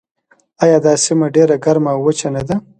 آیا دا سیمه ډیره ګرمه او وچه نه ده؟